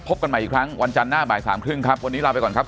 พบกันใหม่อีกครั้งวันจันทร์หน้าบ่ายสามครึ่งครับ